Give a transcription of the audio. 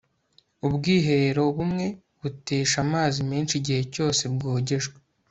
ubwiherero bumwe butesha amazi menshi igihe cyose bwogejwe